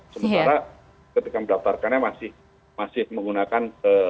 sementara ketika mendaftarkannya masih menggunakan